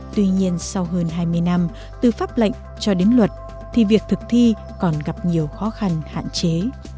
tuy nhiên sau hơn hai mươi năm từ pháp lệnh cho đến luật thì việc thực thi còn gặp nhiều khó khăn hạn chế